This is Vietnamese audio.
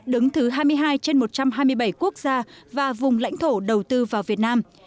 đứng thứ hai mươi hai trên một trăm hai mươi bảy quốc gia và vùng lãnh thổ đầu tư vào việt nam